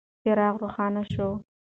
څراغ روښانه شو.